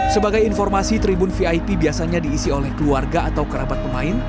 sebagai informasi tribun vip biasanya diisi oleh keluarga atau kerabat pemain